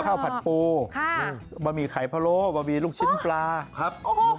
ข้าวผัดปูค่ะบะหมี่ไข่พะโล้บะหมี่ลูกชิ้นปลาครับโอ้โห